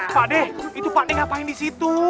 pak d itu pak d ngapain disitu